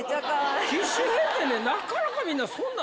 機種変ってねなかなかみんなそんな。